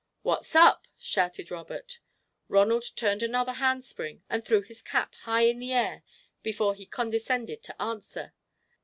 "What's up?" shouted Robert. Ronald turned another handspring and threw his cap high in the air before he condescended to answer.